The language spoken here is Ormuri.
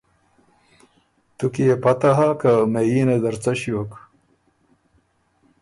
تُو کی يې پته هۀ که مهئينه زر څۀ ݭیوک؟